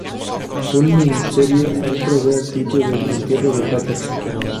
Un misterio aún rodea el sitio del entierro de Paterson.